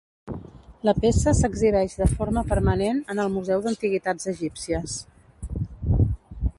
La peça s'exhibeix de forma permanent en el Museu d'Antiguitats Egípcies.